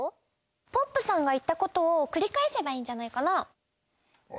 ポップさんがいったことをくりかえせばいいんじゃないかなあ？